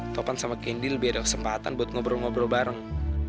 topan sama kendi lebih ada kesempatan buat ngobrol ngobrol bareng